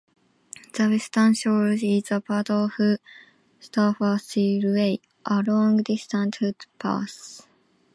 The western shore is part of the Staffordshire Way, a long distance footpath.